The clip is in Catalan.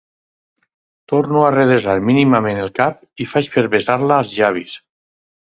Torno a redreçar mínimament el cap i faig per besar-la als llavis.